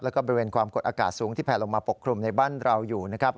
แล้วก็บริเวณความกดอากาศสูงที่แผลลงมาปกคลุมในบ้านเราอยู่นะครับ